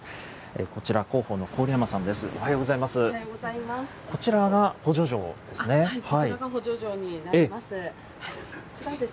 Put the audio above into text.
こちら、広報の郡山さんです。